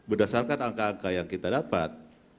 berdasarkan angka angka yang kita dapat